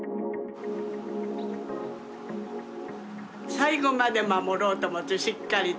最後まで守ろうと思ってしっかりと。